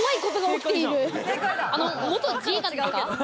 元自衛官ですか？